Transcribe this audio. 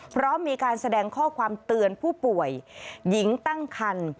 พร้อมมีการแสดงข้อความเตือนผู้ป่วยหญิงตั้งคัน